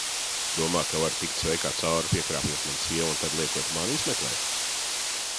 Domā, ka vari tikt sveikā cauri, piekrāpjot manu sievu un tad liekot mani izmeklēt?